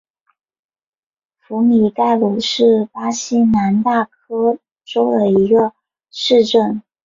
福米盖鲁是巴西南大河州的一个市镇。